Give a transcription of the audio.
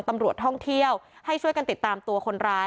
ตำรวจท่องเที่ยวให้ช่วยกันติดตามตัวคนร้าย